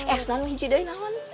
eh senang mah hijidahin nahun